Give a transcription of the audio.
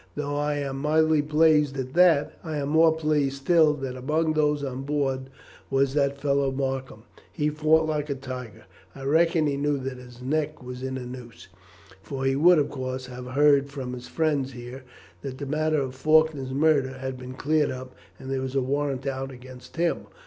Though I am mightily pleased at that, I am more pleased still that among those on board was that fellow Markham. He fought like a tiger. I reckon he knew that his neck was in a noose, for he would, of course, have heard from his friends here that the matter of Faulkner's murder had been cleared up, and there was a warrant out against him.